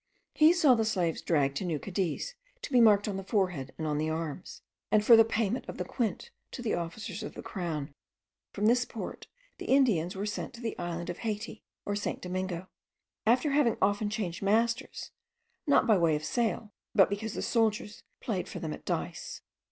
He saw the slaves dragged to New Cadiz, to be marked on the forehead and on the arms, and for the payment of the quint to the officers of the crown. From this port the Indians were sent to the island of Haiti or St. Domingo, after having often changed masters, not by way of sale, but because the soldiers played for them at dice.